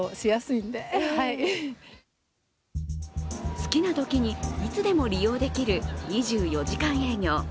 好きなときにいつでも利用できる２４時間営業。